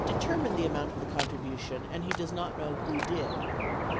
658 determine the amount of the contribution and he does not know who did.